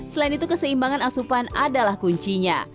selain itu keseimbangan asupan adalah kuncinya